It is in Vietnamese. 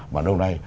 mà lâu nay